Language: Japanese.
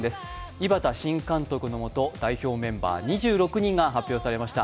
井端新監督のもと代表メンバー２６人が発表されました。